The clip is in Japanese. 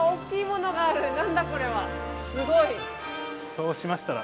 そうしましたら。